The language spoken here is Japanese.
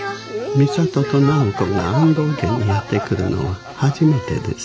美里と直子が安東家にやって来るのは初めてです。